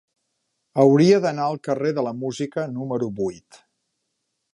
Hauria d'anar al carrer de la Música número vuit.